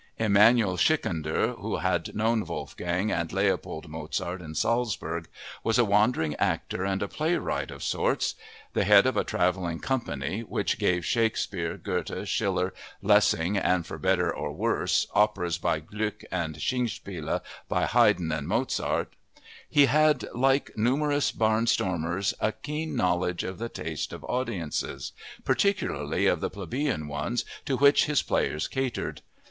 Emanuel Schikaneder, who had known Wolfgang and Leopold Mozart in Salzburg, was a wandering actor and a playwright of sorts. The head of a traveling company, which gave Shakespeare, Goethe, Schiller, Lessing, and, for better or worse, operas by Gluck and Singspiele by Haydn and Mozart, he had like numberless barnstormers a keen knowledge of the tastes of audiences, particularly of the plebeian ones to which his players catered.